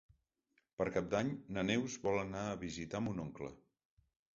Per Cap d'Any na Neus vol anar a visitar mon oncle.